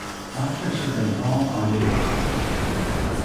Doctors have been called on duty.